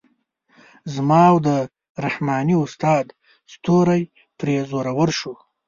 زما او د رحماني استاد ستوری پرې زورور شو.